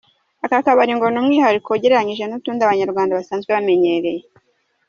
Aka kabari ngo ni umwihariko ugereranyije n’utundi Abanyarwanda basanzwe bamenyereye.